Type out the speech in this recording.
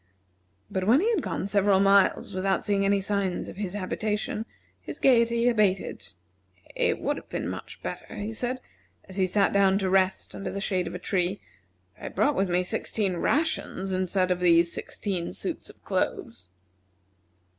But when he had gone several miles without seeing any signs of his habitation, his gayety abated. "It would have been much better," he said, as he sat down to rest under the shade of a tree, "if I had brought with me sixteen rations instead of these sixteen suits of clothes."